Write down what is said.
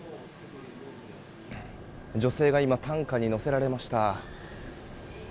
女性が今担架に乗せられました。